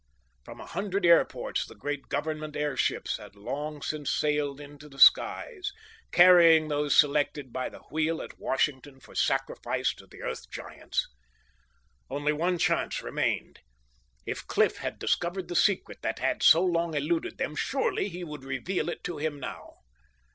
From a hundred airports the great Government airships had long since sailed into the skies, carrying those selected by the wheel at Washington for sacrifice to the Earth Giants. Only one chance remained. If Cliff had discovered the secret that had so long eluded them, surely he would reveal it to him now!